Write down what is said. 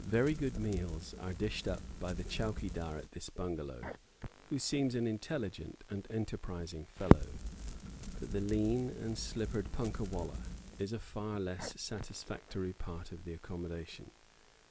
Very good meals are dished up by the chowkee dar at this bungalow, who seems an intelligent and enterprising fellow; but the lean and slippered punkah wallah is a far less satisfactory part of the accommodation.